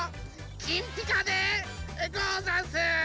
きんぴかでござんす！